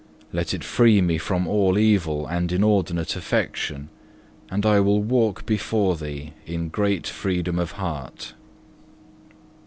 Let it free me from all evil and inordinate affection, and I will walk before Thee in great freedom of heart.